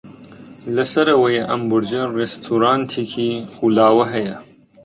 لە سەرەوەی ئەم بورجە ڕێستۆرانتێکی خولاوە هەیە.